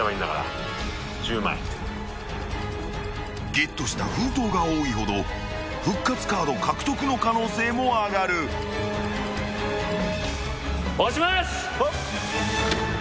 ［ゲットした封筒が多いほど復活カード獲得の可能性も上がる］押します。